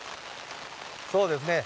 そうですね。